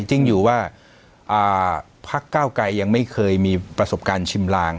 จริงอยู่ว่าพักเก้าไกรยังไม่เคยมีประสบการณ์ชิมลาง